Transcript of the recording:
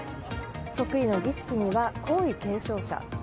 即位の儀式には皇位継承者。